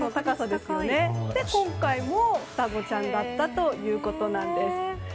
それで今回も双子ちゃんだったということなんです。